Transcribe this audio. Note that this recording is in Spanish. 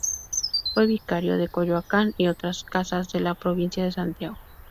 Fue vicario de Coyoacán y otras casas de la Provincia de Santiago.